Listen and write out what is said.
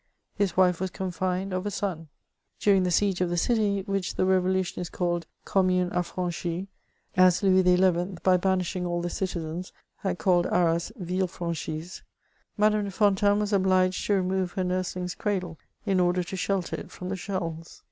His wife was confined of a son ; during the raege of the dty, which the re volutionists called Commune affranchie^ as Louis XI., by banishing all the citizens, had called Arras Ville Jranchise, Madame de Fontanes was obliged to remove her nursHng's cradle, in order to shelter it &om the shells.